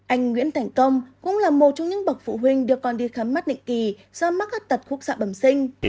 anh nguyễn thành công cũng là một trong những bậc phụ huynh đều còn đi khám mắt định kỳ do mắc các tật khúc sạ bẩm sinh